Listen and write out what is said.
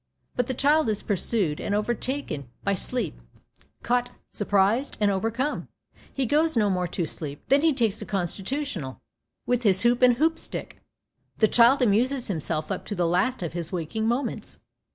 But the child is pursued and overtaken by sleep, caught, surprised, and overcome. He goes no more to sleep, than he takes a "constitutional" with his hoop and hoopstick. The child amuses himself up to the last of his waking moments.